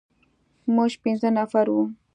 موږ پنځه نفر وو.